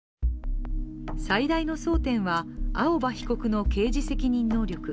最大の争点は、青葉被告の刑事責任能力。